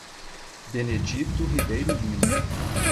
Benedito Ribeiro Lima